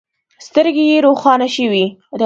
سترګې يې روښانه شوې.